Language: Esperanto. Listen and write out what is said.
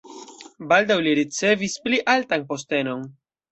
Baldaŭ li ricevis pli altan postenon.